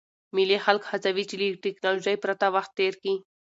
مېلې خلک هڅوي، چي له ټکنالوژۍ پرته وخت تېر کي.